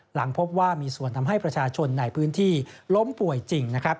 หลังพบว่ามีส่วนทำให้ประชาชนในพื้นที่ล้มป่วยจริงนะครับ